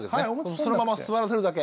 そのまま座らせるだけ。